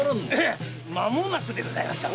まもなくでございましょう。